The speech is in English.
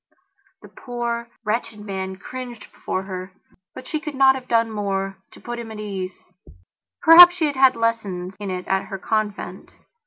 The poor, wretched man cringed before herbut she could not have done more to put him at his ease. Perhaps she had had lessons in it at her convent.